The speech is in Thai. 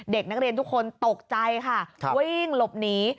เด็กนักเรียนทุกคนตกใจค่ะวิ่งหลบหนี